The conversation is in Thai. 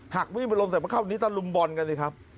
หักมีดมาลงเพื่อเข้าตัดลุมบอนกันเองครับ